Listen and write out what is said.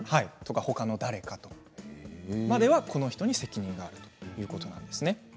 ほかの誰かまではこの人に責任があるということですね。